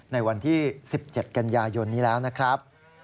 ในวันที่๑๗กันยายนนี้แล้วนะครับ